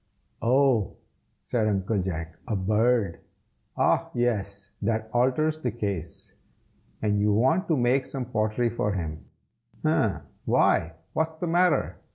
"Oh!" said Uncle Jack; "a bird! ah yes! that alters the case. And you want to make some pottery for him, eh? why, what's the matter?